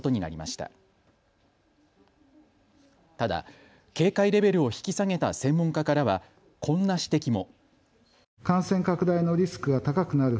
ただ、警戒レベルを引き下げた専門家からはこんな指摘も。